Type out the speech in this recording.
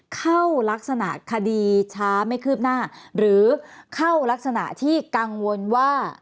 เข้ารักษณะคดีช้าไม่คืบหน้าหรือเข้ารักษณะที่กังวลว่า